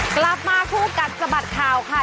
กลับมาคู่กัดสะบัดข่าวค่ะ